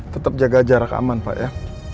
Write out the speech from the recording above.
tetap jaga jarak aman pak ya